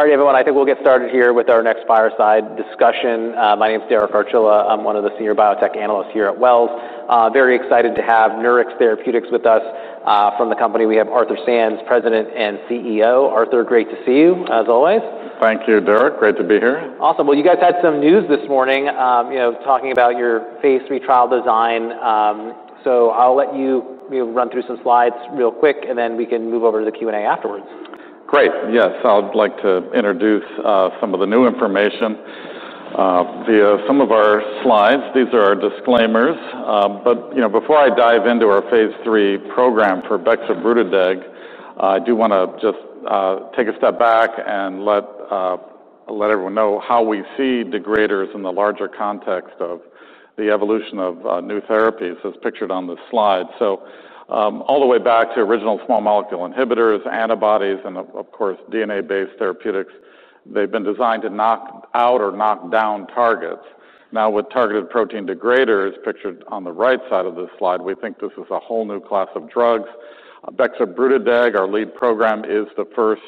All right, everyone. I think we'll get started here with our next fireside discussion. My name's Derek Archila. I'm one of the senior biotech analysts here at Wells. Very excited to have Nurix Therapeutics with us from the company. We have Arthur Sands, President and CEO. Arthur, great to see you, as always. Thank you, Derek. Great to be here. Awesome. Well, you guys had some news this morning, talking about your Phase III trial design. So I'll let you run through some slides real quick, and then we can move over to the Q&A afterwards. Great. Yes, I'd like to introduce some of the new information via some of our slides. These are our disclaimers. But before I dive into our Phase III program for Bexobrutideg, I do want to just take a step back and let everyone know how we see degraders in the larger context of the evolution of new therapies, as pictured on this slide. So all the way back to original small molecule inhibitors, antibodies, and, of course, DNA-based therapeutics, they've been designed to knock out or knock down targets. Now, with targeted protein degraders, pictured on the right side of this slide, we think this is a whole new class of drugs. Bexobrutideg, our lead program, is the first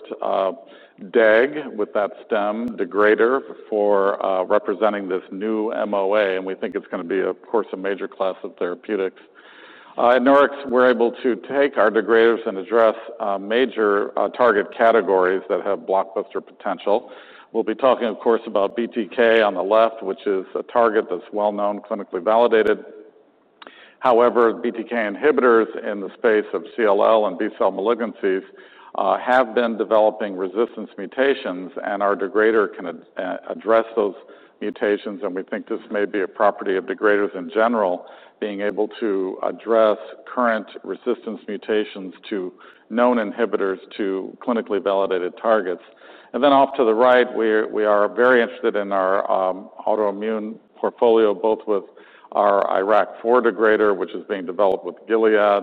deg with that stem. Degrader for representing this new MOA. And we think it's going to be, of course, a major class of therapeutics. At Nurix, we're able to take our degraders and address major target categories that have blockbuster potential. We'll be talking, of course, about BTK on the left, which is a target that's well known, clinically validated. However, BTK inhibitors in the space of CLL and B-cell malignancies have been developing resistance mutations, and our degrader can address those mutations, and we think this may be a property of degraders in general, being able to address current resistance mutations to known inhibitors to clinically validated targets, and then off to the right, we are very interested in our autoimmune portfolio, both with our IRAK4 degrader, which is being developed with Gilead,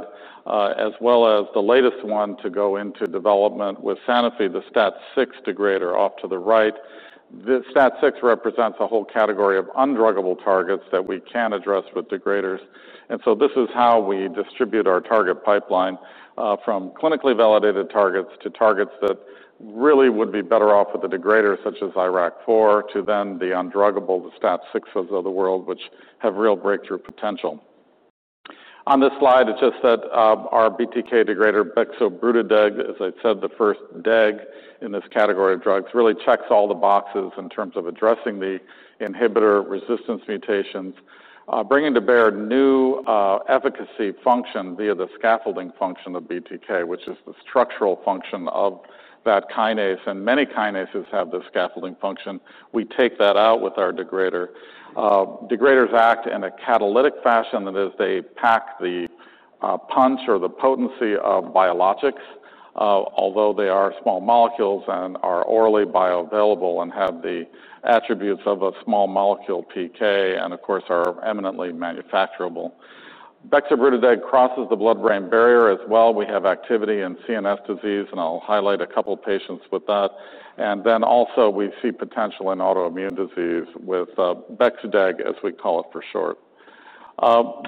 as well as the latest one to go into development with Sanofi, the STAT6 degrader. Off to the right, the STAT6 represents a whole category of undruggable targets that we can address with degraders. And so this is how we distribute our target pipeline from clinically validated targets to targets that really would be better off with a degrader, such as IRAK4, to then the undruggable, the STAT6s of the world, which have real breakthrough potential. On this slide, it's just that our BTK degrader, Bexobrutideg, as I said, the first deg in this category of drugs, really checks all the boxes in terms of addressing the inhibitor resistance mutations, bringing to bear new efficacy function via the scaffolding function of BTK, which is the structural function of that kinase. And many kinases have the scaffolding function. We take that out with our degrader. Degraders act in a catalytic fashion, that is, they pack the punch or the potency of biologics, although they are small molecules and are orally bioavailable and have the attributes of a small molecule PK and, of course, are eminently manufacturable. Bexobrutideg crosses the blood-brain barrier as well. We have activity in CNS disease, and I'll highlight a couple of patients with that. And then also, we see potential in autoimmune disease with Bexdeg, as we call it for short.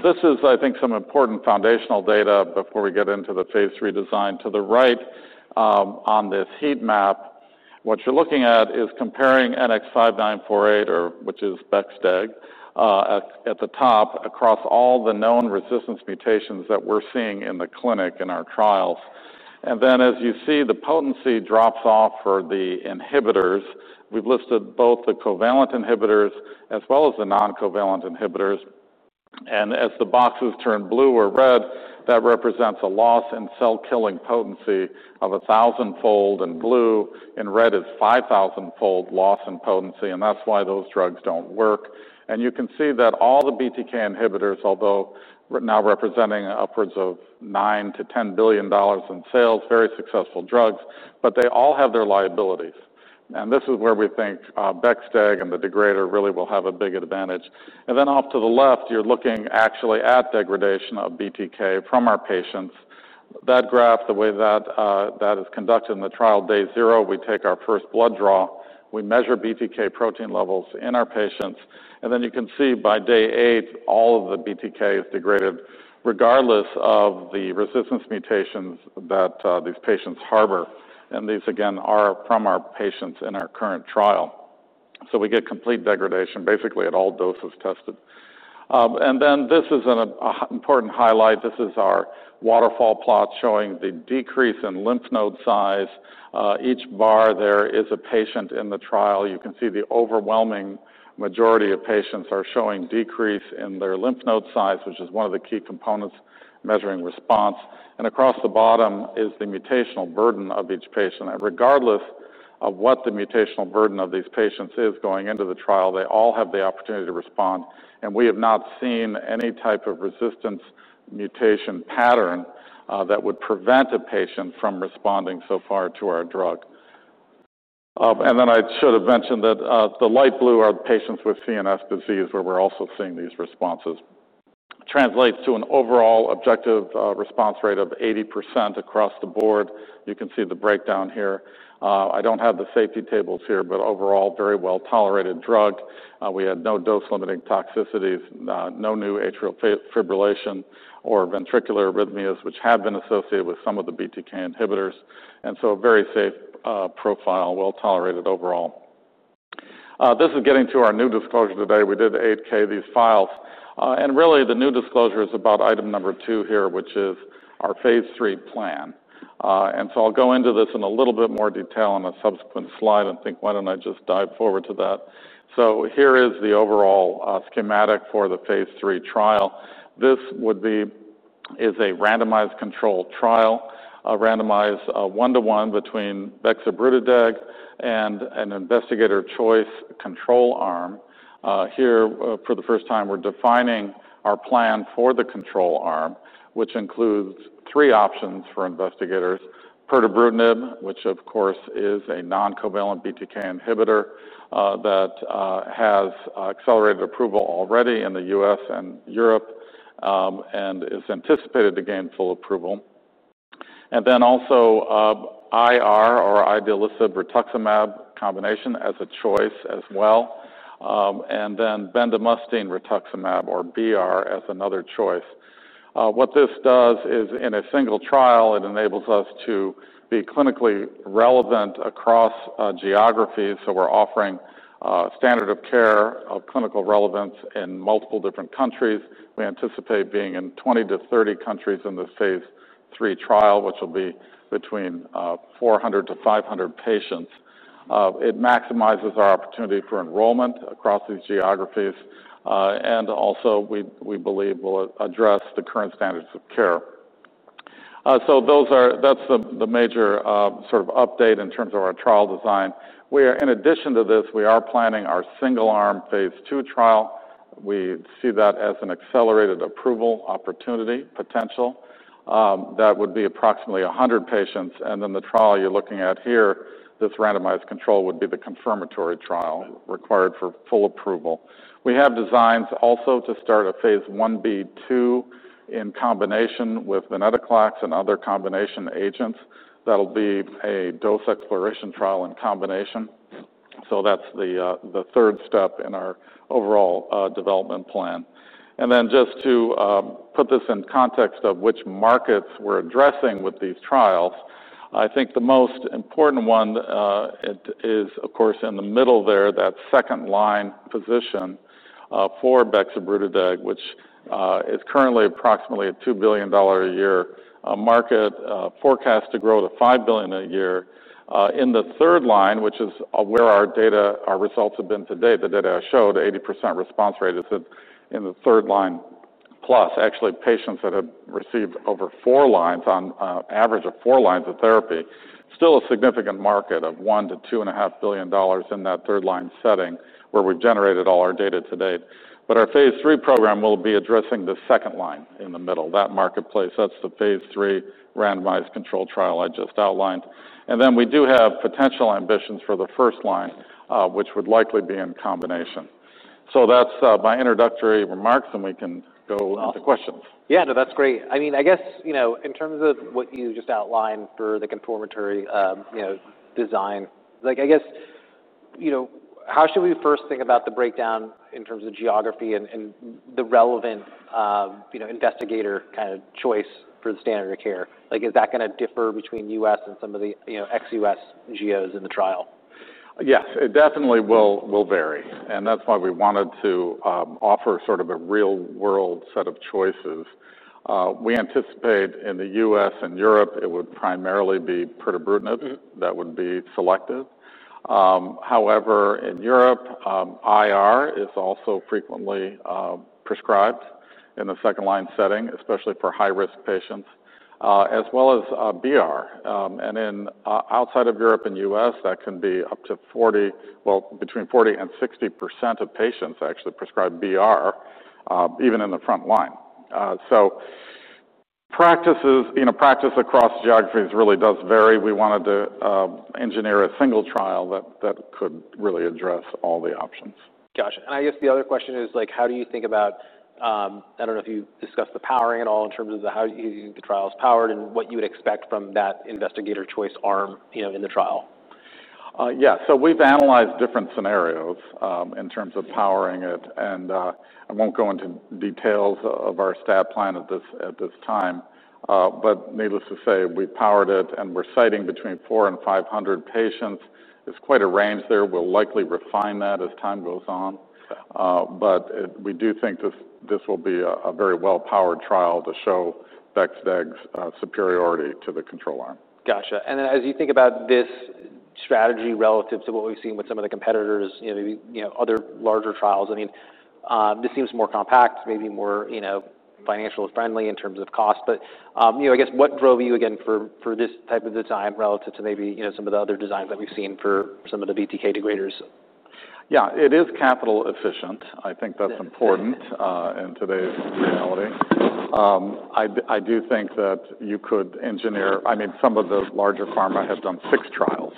This is, I think, some important foundational data before we get into the Phase III design. To the right on this heat map, what you're looking at is comparing NX-5948, which is Bexdeg, at the top across all the known resistance mutations that we're seeing in the clinic in our trials. And then, as you see, the potency drops off for the inhibitors. We've listed both the covalent inhibitors as well as the non-covalent inhibitors. And as the boxes turn blue or red, that represents a loss in cell-killing potency of 1,000-fold, and blue in red is 5,000-fold loss in potency. And that's why those drugs don't work. And you can see that all the BTK inhibitors, although now representing upwards of $9 billion-$10 billion in sales, very successful drugs, but they all have their liabilities. And this is where we think Bexdeg and the degrader really will have a big advantage. And then off to the left, you're looking actually at degradation of BTK from our patients. That graph, the way that is conducted in the trial day zero, we take our first blood draw. We measure BTK protein levels in our patients. And then you can see by day eight, all of the BTK is degraded, regardless of the resistance mutations that these patients harbor. And these, again, are from our patients in our current trial. So we get complete degradation, basically, at all doses tested. And then this is an important highlight. This is our waterfall plot showing the decrease in lymph node size. Each bar there is a patient in the trial. You can see the overwhelming majority of patients are showing decrease in their lymph node size, which is one of the key components measuring response. And across the bottom is the mutational burden of each patient. And regardless of what the mutational burden of these patients is going into the trial, they all have the opportunity to respond. We have not seen any type of resistance mutation pattern that would prevent a patient from responding so far to our drug. Then I should have mentioned that the light blue are the patients with CNS disease where we're also seeing these responses. Translates to an overall objective response rate of 80% across the board. You can see the breakdown here. I don't have the safety tables here, but overall, very well-tolerated drug. We had no dose-limiting toxicities, no new atrial fibrillation or ventricular arrhythmias, which had been associated with some of the BTK inhibitors. So a very safe profile, well-tolerated overall. This is getting to our new disclosure today. We did Form 8-K these files. Really, the new disclosure is about item number two here, which is our Phase III plan. I'll go into this in a little bit more detail on a subsequent slide and think, why don't I just dive forward to that. So here is the overall schematic for the Phase III trial. This is a randomized control trial, randomized one-to-one between Bexobrutideg and an investigator choice control arm. Here, for the first time, we're defining our plan for the control arm, which includes three options for investigators: Pirtobrutinib, which, of course, is a non-covalent BTK inhibitor that has accelerated approval already in the U.S. and Europe and is anticipated to gain full approval. And then also IR, or Idelalisib/Rituximab combination, as a choice as well. And then Bendamustine/Rituximab, or BR, as another choice. What this does is, in a single trial, it enables us to be clinically relevant across geographies. So we're offering standard of care of clinical relevance in multiple different countries. We anticipate being in 20-30 countries in this Phase III trial, which will be between 400-500 patients. It maximizes our opportunity for enrollment across these geographies, and also we believe we'll address the current standards of care, so that's the major sort of update in terms of our trial design. In addition to this, we are planning our single-arm Phase II trial. We see that as an accelerated approval opportunity potential. That would be approximately 100 patients, and then the trial you're looking at here, this randomized control would be the confirmatory trial required for full approval. We have designs also to start a Phase Ib/II in combination with Venetoclax and other combination agents. That'll be a dose exploration trial in combination, so that's the third step in our overall development plan. And then just to put this in context of which markets we're addressing with these trials, I think the most important one is, of course, in the middle there, that second-line position for Bexobrutideg, which is currently approximately a $2 billion a year market, forecast to grow to $5 billion a year. In the third line, which is where our results have been to date, the data showed an 80% response rate in the third line plus, actually, patients that have received over four lines, on average of four lines of therapy. Still a significant market of $1 billion-$2.5 billion in that third-line setting where we've generated all our data to date. But our Phase III program will be addressing the second line in the middle, that marketplace. That's the Phase III randomized control trial I just outlined. And then we do have potential ambitions for the first line, which would likely be in combination. So that's my introductory remarks, and we can go on to questions. Yeah, no, that's great. I mean, I guess in terms of what you just outlined for the confirmatory design, I guess how should we first think about the breakdown in terms of geography and the relevant investigator's choice for the standard of care? Is that going to differ between U.S. and some of the ex-U.S. geos in the trial? Yes, it definitely will vary. That's why we wanted to offer sort of a real-world set of choices. We anticipate in the U.S. and Europe, it would primarily be Pirtobrutinib that would be selected. However, in Europe, IR is also frequently prescribed in the second-line setting, especially for high-risk patients, as well as BR. And outside of Europe and U.S., that can be up to 40%, between 40% and 60% of patients actually prescribe BR, even in the front line. Practice across geographies really does vary. We wanted to engineer a single trial that could really address all the options. Gotcha. And I guess the other question is, how do you think about, I don't know if you discussed the powering at all in terms of how the trial is powered and what you would expect from that investigator choice arm in the trial? Yeah. So we've analyzed different scenarios in terms of powering it. And I won't go into details of our stat plan at this time. But needless to say, we powered it, and we're sizing between 400 and 500 patients. There's quite a range there. We'll likely refine that as time goes on. But we do think this will be a very well-powered trial to show Bexdeg's superiority to the control arm. Gotcha. And then as you think about this strategy relative to what we've seen with some of the competitors, maybe other larger trials, I mean, this seems more compact, maybe more financial-friendly in terms of cost. But I guess what drove you, again, for this type of design relative to maybe some of the other designs that we've seen for some of the BTK degraders? Yeah, it is capital efficient. I think that's important in today's reality. I do think that you could engineer, I mean, some of the larger pharma have done six trials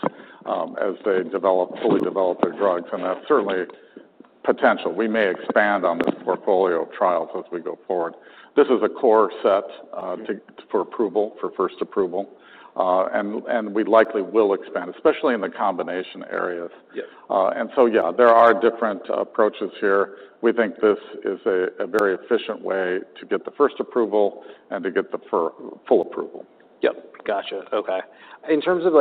as they fully develop their drugs. And that's certainly potential. We may expand on this portfolio of trials as we go forward. This is a core set for approval, for first approval. And we likely will expand, especially in the combination areas. And so, yeah, there are different approaches here. We think this is a very efficient way to get the first approval and to get the full approval. Yep. Gotcha. Okay. In terms of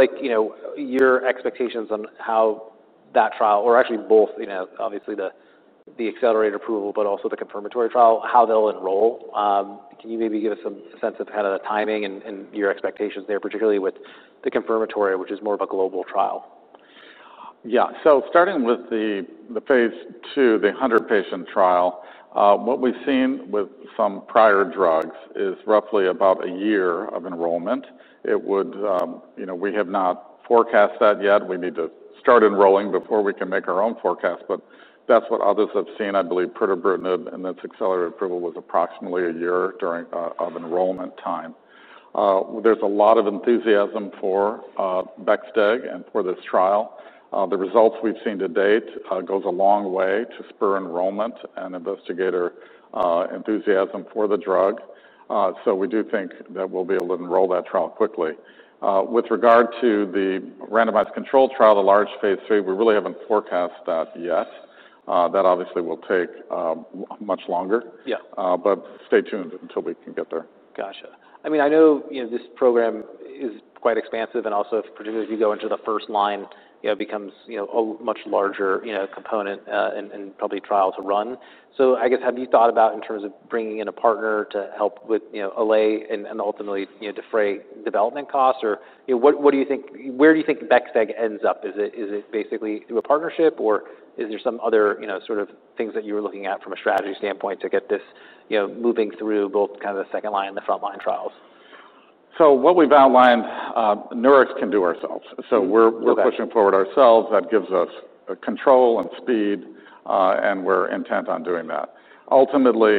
your expectations on how that trial, or actually both, obviously, the accelerated approval, but also the confirmatory trial, how they'll enroll, can you maybe give us some sense of kind of the timing and your expectations there, particularly with the confirmatory, which is more of a global trial? Yeah. So starting with the Phase II, the 100-patient trial, what we've seen with some prior drugs is roughly about a year of enrollment. We have not forecast that yet. We need to start enrolling before we can make our own forecast. But that's what others have seen. I believe Pirtobrutinib, and its accelerated approval was approximately a year of enrollment time. There's a lot of enthusiasm for Bexobrutideg and for this trial. The results we've seen to date go a long way to spur enrollment and investigator enthusiasm for the drug. So we do think that we'll be able to enroll that trial quickly. With regard to the randomized control trial, the large Phase III, we really haven't forecast that yet. That obviously will take much longer. But stay tuned until we can get there. Gotcha. I mean, I know this program is quite expansive. And also, particularly if you go into the first line, it becomes a much larger component and probably trial to run. So I guess, have you thought about in terms of bringing in a partner to help with DEL and ultimately defray development costs? Or where do you think Bexdeg ends up? Is it basically through a partnership, or is there some other sort of things that you were looking at from a strategy standpoint to get this moving through both kind of the second line and the front line trials? What we've outlined, Nurix can do ourselves. We're pushing forward ourselves. That gives us control and speed, and we're intent on doing that. Ultimately,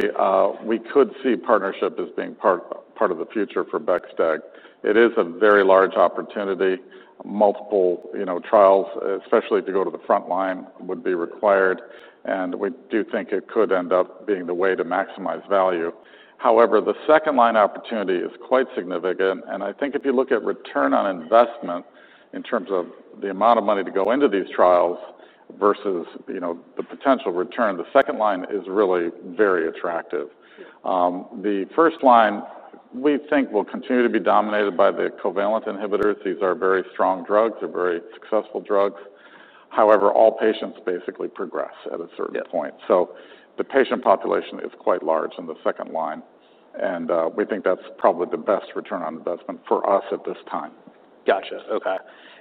we could see partnership as being part of the future for Bexdeg. It is a very large opportunity. Multiple trials, especially to go to the front line, would be required. We do think it could end up being the way to maximize value. However, the second line opportunity is quite significant. I think if you look at return on investment in terms of the amount of money to go into these trials versus the potential return, the second line is really very attractive. The first line, we think, will continue to be dominated by the covalent inhibitors. These are very strong drugs. They're very successful drugs. However, all patients basically progress at a certain point. The patient population is quite large in the second line. We think that's probably the best return on investment for us at this time. Gotcha. Okay.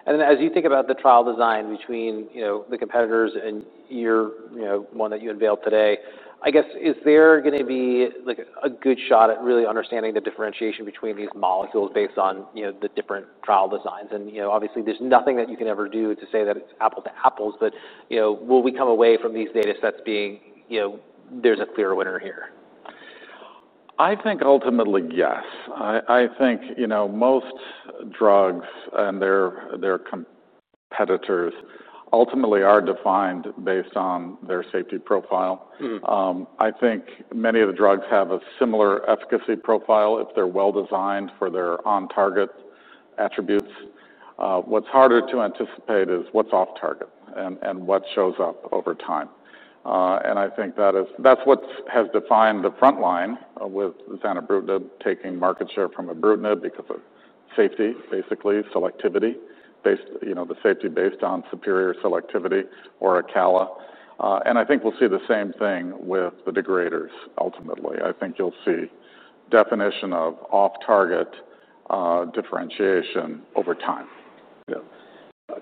And then as you think about the trial design between the competitors and your one that you unveiled today, I guess, is there going to be a good shot at really understanding the differentiation between these molecules based on the different trial designs? And obviously, there's nothing that you can ever do to say that it's apples to apples, but will we come away from these data sets being there's a clear winner here? I think ultimately, yes. I think most drugs and their competitors ultimately are defined based on their safety profile. I think many of the drugs have a similar efficacy profile if they're well-designed for their on-target attributes. What's harder to anticipate is what's off-target and what shows up over time, and I think that's what has defined the front line with Zanubrutinib, taking market share from Ibrutinib because of safety, basically, selectivity, the safety based on superior selectivity or Acala, and I think we'll see the same thing with the degraders, ultimately. I think you'll see definition of off-target differentiation over time.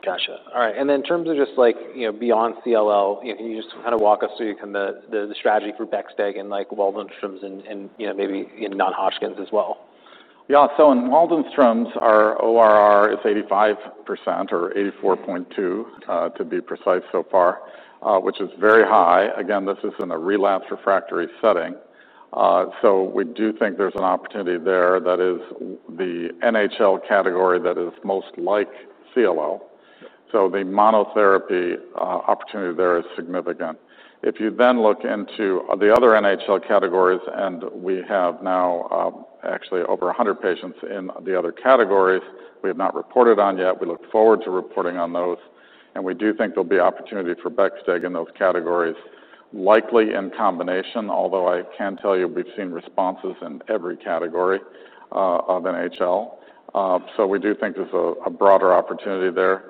Gotcha. All right. And then in terms of just beyond CLL, can you just kind of walk us through the strategy for Bexobrutideg and Waldenström's and maybe non-Hodgkin's as well? Yeah. So in Waldenström's, our ORR is 85% or 84.2%, to be precise so far, which is very high. Again, this is in a relapse refractory setting. So we do think there's an opportunity there that is the NHL category that is most like CLL. So the monotherapy opportunity there is significant. If you then look into the other NHL categories, and we have now actually over 100 patients in the other categories we have not reported on yet. We look forward to reporting on those. And we do think there'll be opportunity for Bexdeg in those categories, likely in combination, although I can tell you we've seen responses in every category of NHL. So we do think there's a broader opportunity there.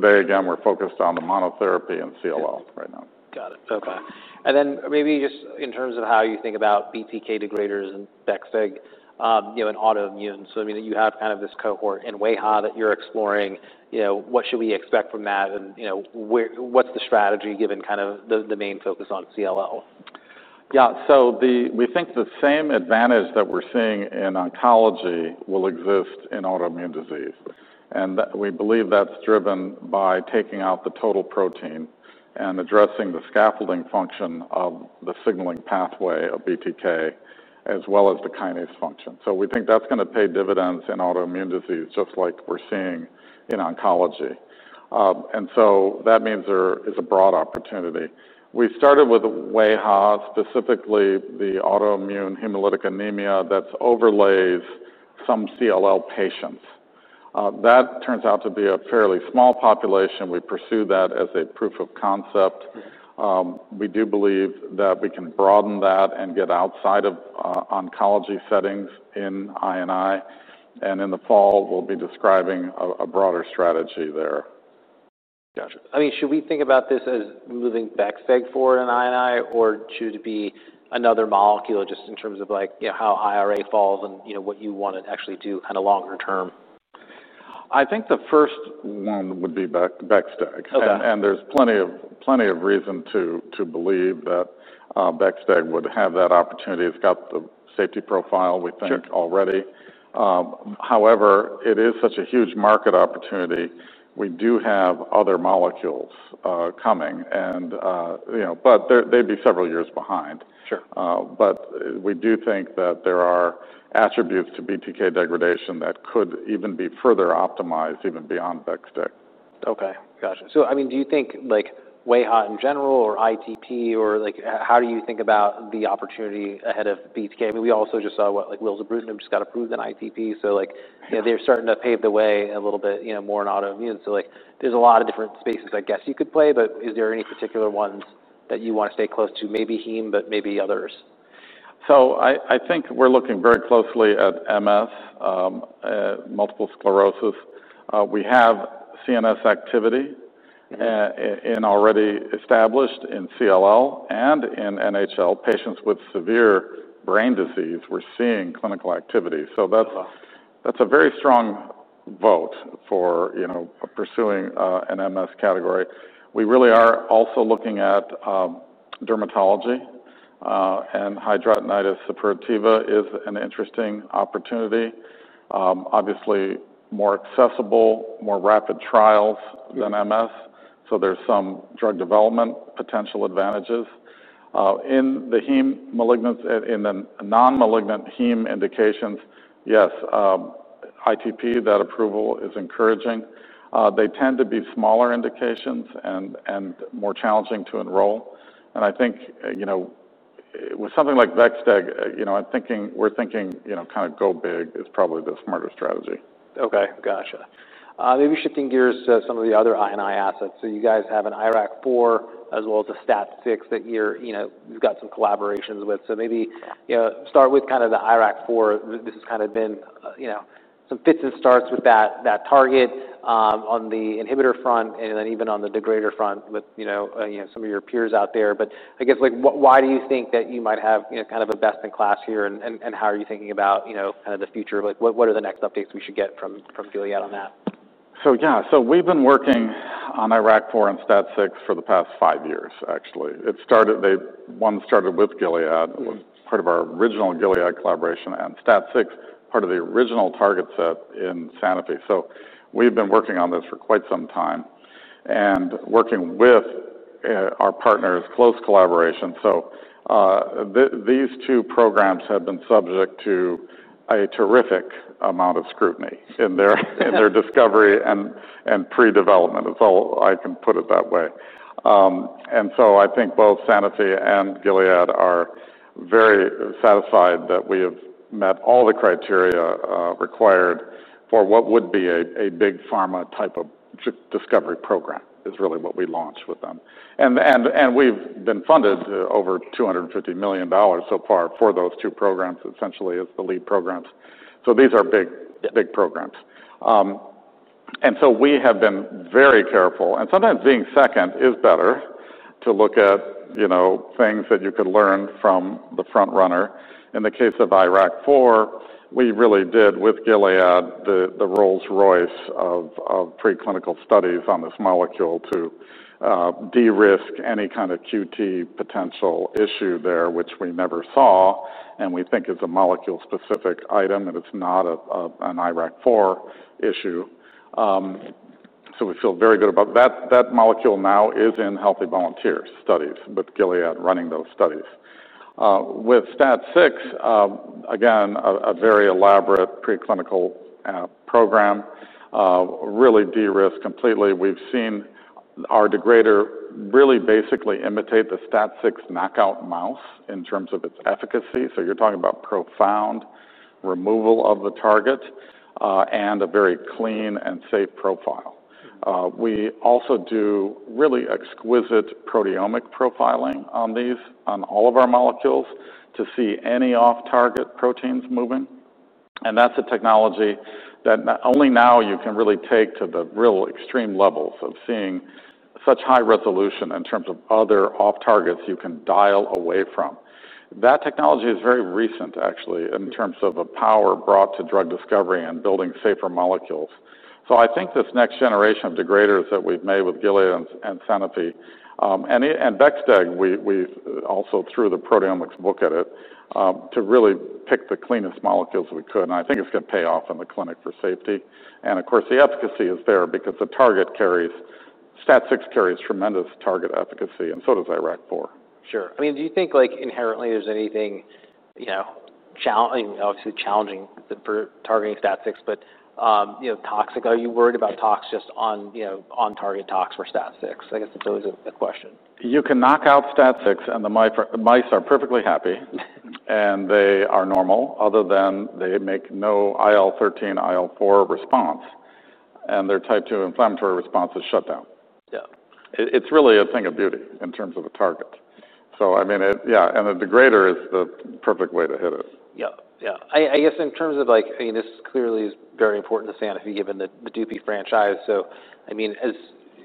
Today, again, we're focused on the monotherapy and CLL right now. Got it. Okay. And then maybe just in terms of how you think about BTK degraders and Bexobrutideg and autoimmune. So I mean, you have kind of this cohort in wAIHA that you're exploring. What should we expect from that? And what's the strategy given kind of the main focus on CLL? Yeah. So we think the same advantage that we're seeing in oncology will exist in autoimmune disease. And we believe that's driven by taking out the total protein and addressing the scaffolding function of the signaling pathway of BTK, as well as the kinase function. So we think that's going to pay dividends in autoimmune disease, just like we're seeing in oncology. And so that means there is a broad opportunity. We started with wAIHA, specifically the autoimmune hemolytic anemia that overlays some CLL patients. That turns out to be a fairly small population. We pursue that as a proof of concept. We do believe that we can broaden that and get outside of oncology settings in I&I. And in the fall, we'll be describing a broader strategy there. Gotcha. I mean, should we think about this as moving Bexobrutideg forward in I&I, or should it be another molecule just in terms of how IRAK4 falls and what you want to actually do kind of longer term? I think the first one would be Bexdeg. And there's plenty of reason to believe that Bexdeg would have that opportunity. It's got the safety profile, we think, already. However, it is such a huge market opportunity. We do have other molecules coming. But they'd be several years behind. But we do think that there are attributes to BTK degradation that could even be further optimized, even beyond Bexdeg. Okay. Gotcha. So I mean, do you think wAIHA in general or ITP? Or how do you think about the opportunity ahead of BTK? I mean, we also just saw what Rilzabrutinib just got approved in ITP. So they're starting to pave the way a little bit more in autoimmune. So there's a lot of different spaces, I guess, you could play. But is there any particular ones that you want to stay close to, maybe Heme, but maybe others? So I think we're looking very closely at MS, multiple sclerosis. We have CNS activity already established in CLL and in NHL. Patients with severe brain disease, we're seeing clinical activity. So that's a very strong vote for pursuing an MS category. We really are also looking at dermatology and hidradenitis suppurativa. Suppurativa is an interesting opportunity, obviously more accessible, more rapid trials than MS. So there's some drug development potential advantages. In the non-malignant Heme indications, yes, ITP, that approval is encouraging. They tend to be smaller indications and more challenging to enroll. And I think with something like Bexdeg, we're thinking kind of go big is probably the smarter strategy. Okay. Gotcha. Maybe shifting gears to some of the other I&I assets. So you guys have an IRAK4 as well as a STAT6 that you've got some collaborations with. So maybe start with kind of the IRAK4. This has kind of been some fits and starts with that target on the inhibitor front and then even on the degrader front with some of your peers out there. But I guess, why do you think that you might have kind of the best-in-class here? And how are you thinking about kind of the future? What are the next updates we should get from Gilead on that? So yeah. We've been working on IRAK4 and STAT6 for the past five years, actually. One started with Gilead. It was part of our original Gilead collaboration. And STAT6, part of the original target set in Sanofi. So we've been working on this for quite some time and working with our partners, close collaboration. So these two programs have been subject to a terrific amount of scrutiny in their discovery and pre-development, if I can put it that way. And so I think both Sanofi and Gilead are very satisfied that we have met all the criteria required for what would be a big pharma type of discovery program is really what we launched with them. And we've been funded over $250 million so far for those two programs, essentially, as the lead programs. So these are big programs. And so we have been very careful. Sometimes being second is better to look at things that you could learn from the front runner. In the case of IRAK4, we really did, with Gilead, the Rolls-Royce of preclinical studies on this molecule to de-risk any kind of QT potential issue there, which we never saw. We think it's a molecule-specific item, and it's not an IRAK4 issue. We feel very good about that. That molecule now is in healthy volunteer studies with Gilead running those studies. With STAT6, again, a very elaborate preclinical program, really de-risked completely. We've seen our degrader really basically imitate the STAT6 knockout mouse in terms of its efficacy. You're talking about profound removal of the target and a very clean and safe profile. We also do really exquisite proteomic profiling on these on all of our molecules to see any off-target proteins moving. That's a technology that only now you can really take to the real extreme levels of seeing such high resolution in terms of other off-targets you can dial away from. That technology is very recent, actually, in terms of a power brought to drug discovery and building safer molecules. So I think this next generation of degraders that we've made with Gilead and Sanofi and Bexdeg, we've also, through the proteomics, looked at it, to really pick the cleanest molecules we could. And I think it's going to pay off in the clinic for safety. And of course, the efficacy is there because the target, STAT6, carries tremendous target efficacy, and so does IRAK4. Sure. I mean, do you think inherently there's anything obviously challenging for targeting STAT6, but toxic? Are you worried about tox just on-target tox for STAT6? I guess that's always a question. You can knock out STAT6, and the mice are perfectly happy. And they are normal, other than they make no IL-13, IL-4 response. And their type 2 inflammatory response is shut down. It's really a thing of beauty in terms of a target. So I mean, yeah. And the degrader is the perfect way to hit it. Yeah. Yeah. I guess in terms of this clearly is very important to Sanofi given the Dupi franchise. So I mean,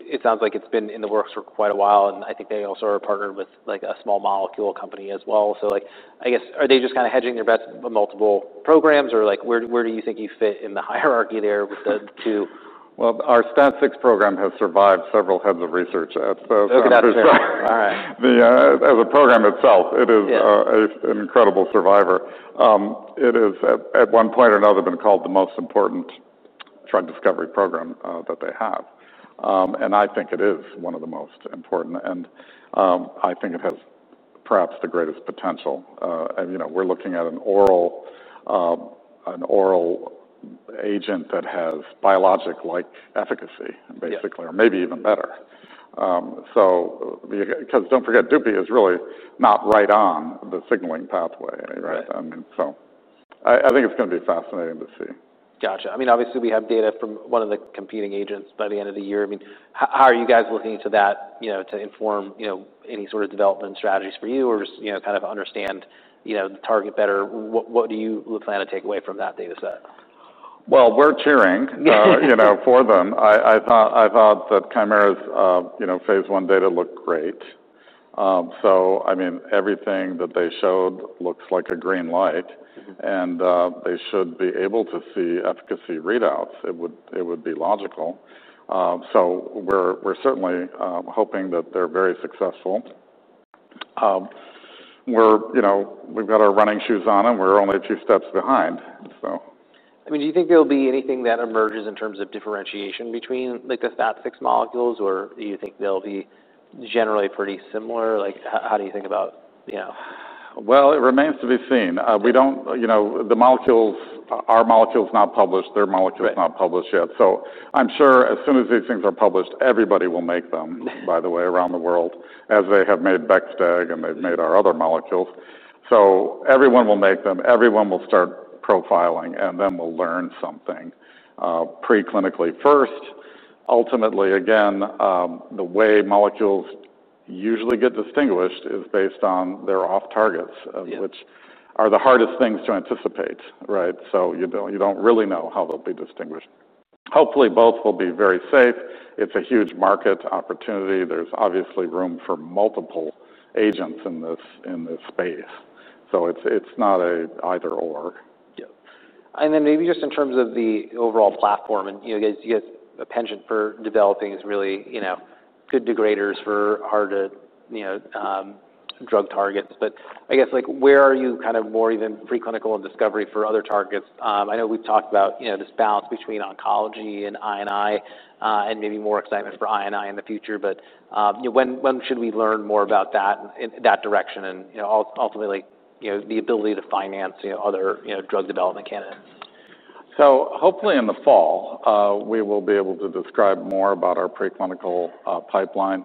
it sounds like it's been in the works for quite a while. And I think they also are partnered with a small molecule company as well. So I guess, are they just kind of hedging their bets with multiple programs? Or where do you think you fit in the hierarchy there with the two? Our STAT6 program has survived several heads of research. Oh, good. That's great. All right. As a program itself, it is an incredible survivor. It has, at one point or another, been called the most important drug discovery program that they have. And I think it is one of the most important. And I think it has perhaps the greatest potential. And we're looking at an oral agent that has biologic-like efficacy, basically, or maybe even better. Because don't forget, Dupi is really not right on the signaling pathway, right? So I think it's going to be fascinating to see. Gotcha. I mean, obviously, we have data from one of the competing agents by the end of the year. I mean, how are you guys looking to that to inform any sort of development strategies for you or just kind of understand the target better? What do you plan to take away from that data set? We're cheering for them. I thought that Kymera's Phase I data looked great. I mean, everything that they showed looks like a green light. They should be able to see efficacy readouts. It would be logical. We're certainly hoping that they're very successful. We've got our running shoes on, and we're only a few steps behind, so. I mean, do you think there'll be anything that emerges in terms of differentiation between the STAT6 molecules? Or do you think they'll be generally pretty similar? How do you think about? It remains to be seen. The molecules, our molecule's not published. Their molecule's not published yet. So I'm sure as soon as these things are published, everybody will make them, by the way, around the world, as they have made Bexdeg and they've made our other molecules. So everyone will make them. Everyone will start profiling. And then we'll learn something preclinically first. Ultimately, again, the way molecules usually get distinguished is based on their off-targets, which are the hardest things to anticipate, right? So you don't really know how they'll be distinguished. Hopefully, both will be very safe. It's a huge market opportunity. There's obviously room for multiple agents in this space. So it's not an either/or. Yeah, and then maybe just in terms of the overall platform, you guys have a penchant for developing really good degraders for hard-to-drug targets. But I guess, where are you kind of more even preclinical and discovery for other targets? I know we've talked about this balance between oncology and I&I and maybe more excitement for I&I in the future, but when should we learn more about that direction and ultimately the ability to finance other drug development candidates? So hopefully in the fall, we will be able to describe more about our preclinical pipeline.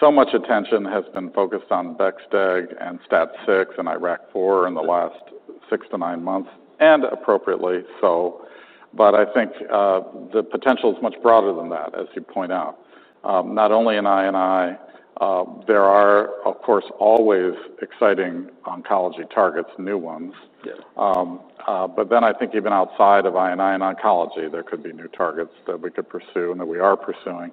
So much attention has been focused on Bexdeg and STAT6 and IRAK4 in the last six to nine months, and appropriately so. But I think the potential is much broader than that, as you point out. Not only in I&I, there are, of course, always exciting oncology targets, new ones. But then I think even outside of I&I and oncology, there could be new targets that we could pursue and that we are pursuing.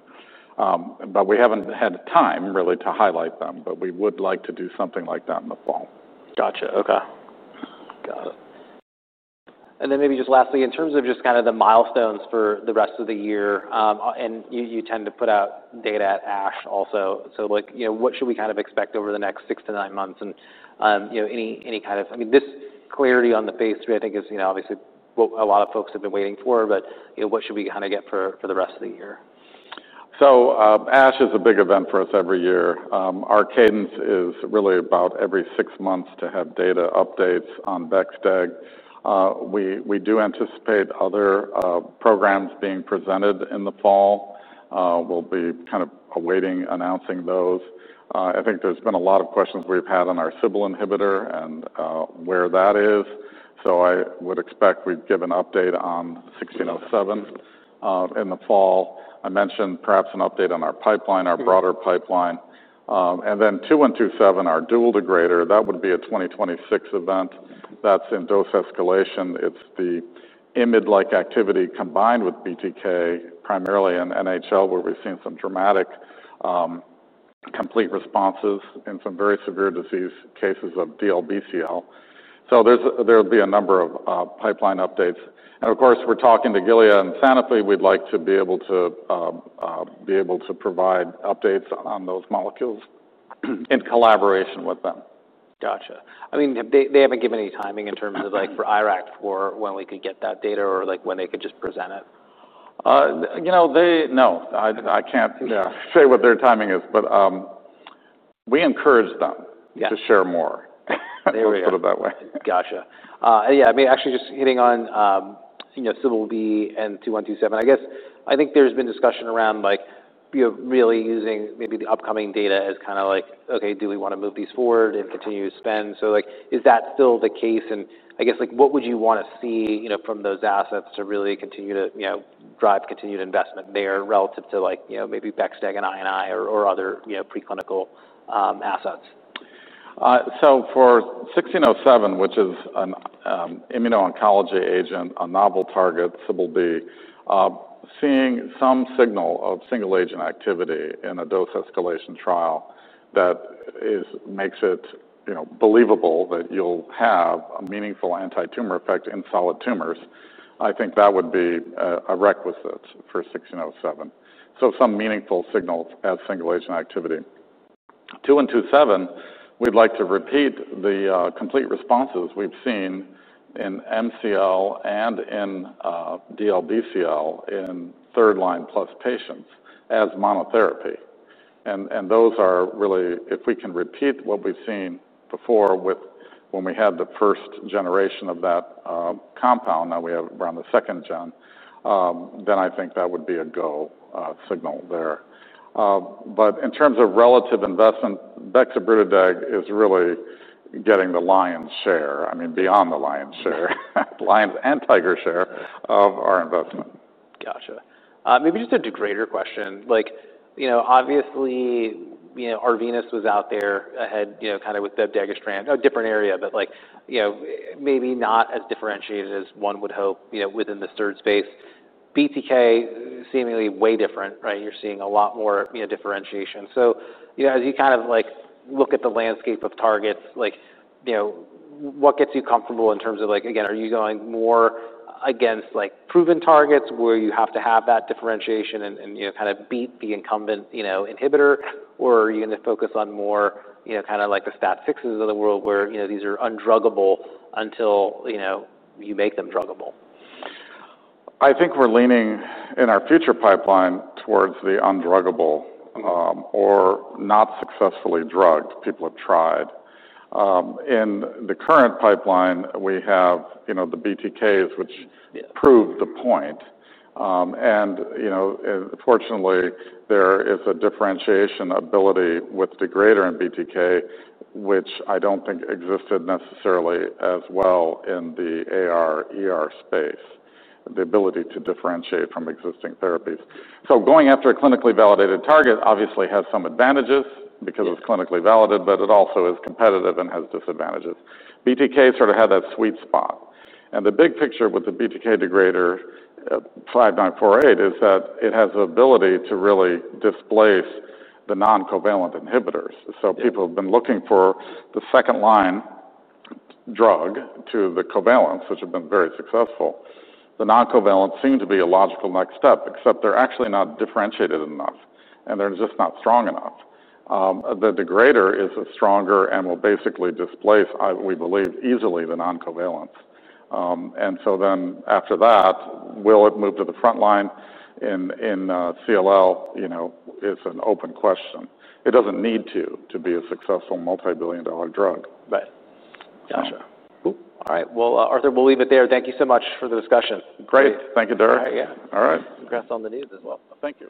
But we haven't had time, really, to highlight them. But we would like to do something like that in the fall. Gotcha. Okay. Got it. And then maybe just lastly, in terms of just kind of the milestones for the rest of the year, and you tend to put out data at ASH also. So what should we kind of expect over the next six to nine months? And any kind of, I mean, this clarity on the Phase III, I think, is obviously what a lot of folks have been waiting for. But what should we kind of get for the rest of the year? So ASH is a big event for us every year. Our cadence is really about every six months to have data updates on Bexdeg. We do anticipate other programs being presented in the fall. We'll be kind of awaiting announcing those. I think there's been a lot of questions we've had on our Cbl-b inhibitor and where that is. So I would expect we'd give an update on 1607 in the fall. I mentioned perhaps an update on our pipeline, our broader pipeline. And then 2127, our dual degrader, that would be a 2026 event. That's in dose escalation. It's the imid-like activity combined with BTK, primarily in NHL, where we've seen some dramatic complete responses in some very severe disease cases of DLBCL. So there'll be a number of pipeline updates. And of course, we're talking to Gilead and Sanofi. We'd like to be able to provide updates on those molecules in collaboration with them. Gotcha. I mean, they haven't given any timing in terms of for IRAK4, when we could get that data or when they could just present it? No. I can't say what their timing is. But we encourage them to share more. Let's put it that way. Gotcha. Yeah. I mean, actually, just hitting on Cbl-b and 2127, I guess, I think there's been discussion around really using maybe the upcoming data as kind of like, "Okay. Do we want to move these forward and continue to spend?" So is that still the case? And I guess, what would you want to see from those assets to really continue to drive continued investment there relative to maybe Bexadeg and IMiD or other preclinical assets? For 1607, which is an immuno-oncology agent, a novel target, Cbl-b, seeing some signal of single-agent activity in a dose escalation trial that makes it believable that you'll have a meaningful anti-tumor effect in solid tumors, I think that would be a requisite for 1607. Some meaningful signals as single-agent activity. For 2127, we'd like to repeat the complete responses we've seen in MCL and in DLBCL in third-line plus patients as monotherapy. Those are really, if we can repeat what we've seen before when we had the first generation of that compound, now we have the second gen, then I think that would be a go signal there. In terms of relative investment, Bexobrutideg is really getting the lion's share, I mean, beyond the lion's share, lion's and tiger share of our investment. Gotcha. Maybe just a degrader question. Obviously, Arvinas was out there ahead kind of with Bexdeg, a different area, but maybe not as differentiated as one would hope within the degrader space. BTK, seemingly way different, right? You're seeing a lot more differentiation. So as you kind of look at the landscape of targets, what gets you comfortable in terms of, again, are you going more against proven targets where you have to have that differentiation and kind of beat the incumbent inhibitor? Or are you going to focus on more kind of like the STAT6s of the world where these are undruggable until you make them druggable? I think we're leaning in our future pipeline towards the undruggable or not successfully drugged people have tried. In the current pipeline, we have the BTKs, which proved the point, and fortunately, there is a differentiation ability with degrader and BTK, which I don't think existed necessarily as well in the AR/ER space, the ability to differentiate from existing therapies, so going after a clinically validated target obviously has some advantages because it's clinically validated, but it also is competitive and has disadvantages. BTK sort of had that sweet spot, and the big picture with the BTK degrader 5948 is that it has the ability to really displace the non-covalent inhibitors, so people have been looking for the second-line drug to the covalents, which have been very successful. The non-covalents seem to be a logical next step, except they're actually not differentiated enough, and they're just not strong enough. The degrader is stronger and will basically displace, we believe, easily the non-covalents. And so then after that, will it move to the front line in CLL? It's an open question. It doesn't need to be a successful multi-billion-dollar drug. Right. Gotcha. All right. Well, Arthur, we'll leave it there. Thank you so much for the discussion. Great. Thank you, Derek. All right. Congrats on the news as well. Thank you.